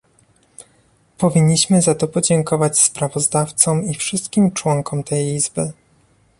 Powinniśmy za to podziękować sprawozdawcom i wszystkim członkom tej Izby